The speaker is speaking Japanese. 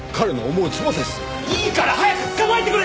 いいから早く捕まえてくれ！